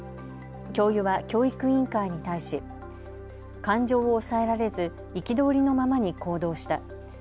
教諭は教育委員会に対し感情を抑えられず憤りのままに行動した。